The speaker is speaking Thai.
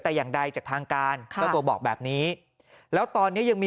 แต่อย่างใดจากทางการค่ะเจ้าตัวบอกแบบนี้แล้วตอนนี้ยังมี